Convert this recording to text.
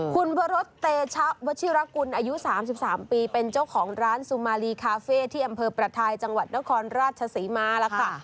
คุณวรสเตชะวชิรกุลอายุ๓๓ปีเป็นเจ้าของร้านซูมาลีคาเฟ่ที่อำเภอประทายจังหวัดนครราชศรีมาแล้วค่ะ